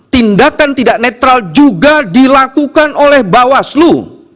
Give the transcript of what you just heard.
tindakan tidak netral juga dilakukan oleh bawaslu